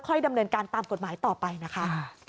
ดำเนินการตามกฎหมายต่อไปนะคะ